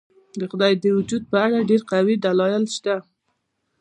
د خدای د وجود په اړه ډېر قوي دلایل شته.